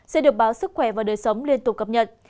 sẽ được báo sức khỏe và đời sống liên tục cập nhật